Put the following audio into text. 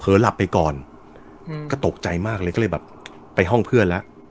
หลับไปก่อนอืมก็ตกใจมากเลยก็เลยแบบไปห้องเพื่อนแล้ว